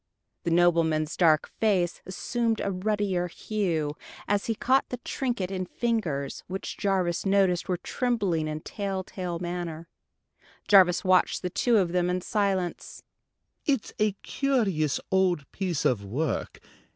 The nobleman's dark face assumed a ruddier hue, as he caught the trinket in fingers which Jarvis noticed were trembling in tell tale manner. Jarvis watched the two of them in silence. "It's a curious old piece of work.